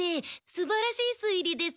すばらしいすい理です。